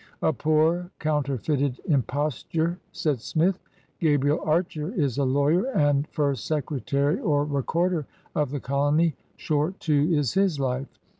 "A poor counterfeited Imposture!" said Smith. Gabriel Archer is a lawyer, and first secretary or recorder of the colony. Short, too, is his life.